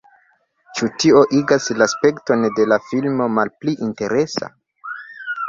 Ĉu tio igas la spekton de la filmo malpli interesa?